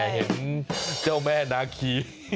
เห็นเจ้าแม่นาคี